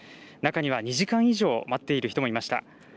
中には２時間以上、待っている人もいました。